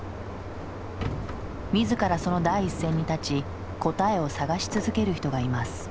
自らその第一線に立ち答えを探し続ける人がいます。